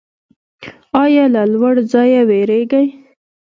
ایا له لوړ ځای ویریږئ؟